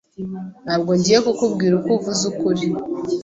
Ntabwo ngiye kukubwira ko uvuze ukuri.